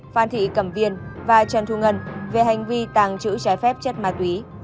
phan thị cẩm viên và trần thu ngân về hành vi tàng trữ trái phép chất ma túy